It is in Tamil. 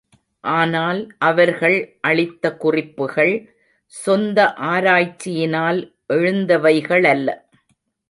ஆனால் அவர்கள் அளித்த குறிப்புகள் சொந்த ஆராய்ச்சியினால் எழுந்தவைகளல்ல.